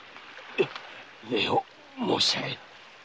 礼を申しあげる。